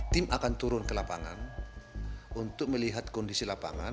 tim akan turun ke lapangan untuk melihat kondisi lapangan